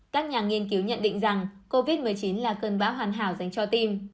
các nhà nghiên cứu nhận định rằng covid một mươi chín là cơn bão hoàn hảo dành cho tim